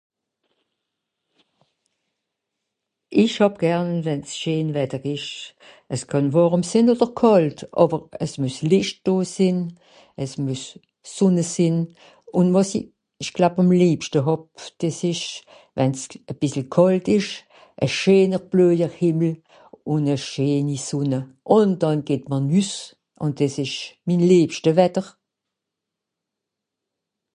ìsch hàb gern wenn's scheen wetter esch as kànn wàrm sìn oder kàlt àwer ass meuss lìcht do sìn ass meuss sonne sìn ùn wàs'i ìsch gleub àm lebschte hàb des esch wenn's à bìssel kàlt esch à scheener bleuje hìmmel ùn à scheeni sonne ùn dànn geht mr nüss ùn des esch min lebschte wetter